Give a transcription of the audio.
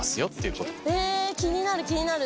え気になる気になる！